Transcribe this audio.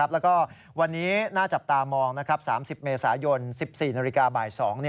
แล้วก็วันนี้น่าจับตามอง๓๐เมษายน๑๔นาฬิกาบ่าย๒